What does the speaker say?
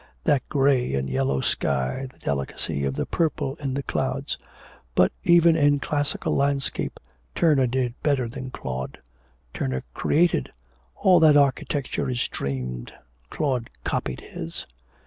That grey and yellow sky, the delicacy of the purple in the clouds. But even in classical landscape Turner did better than Claude Turner created all that architecture is dreamed; Claude copied his.'